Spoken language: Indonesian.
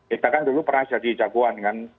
kita kan dulu pernah jadi jagoan kan